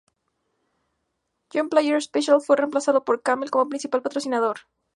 John Player Special fue remplazado por Camel como principal patrocinador.